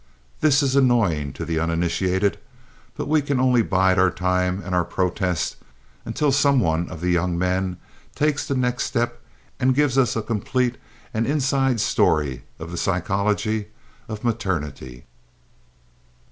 This is annoying to the uninitiated, but we can only bide our time and our protest until some one of the young men takes the next step and gives us a complete and inside story of the psychology of maternity.